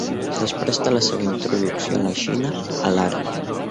Després de la seva introducció a la Xina, el "Ara!